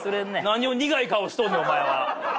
何を苦い顔しとんねんお前は。